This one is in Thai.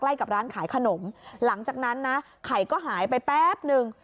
กับร้านขายขนมหลังจากนั้นนะไข่ก็หายไปแป๊บนึง